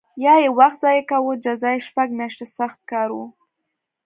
یا یې وخت ضایع کاوه جزا یې شپږ میاشتې سخت کار و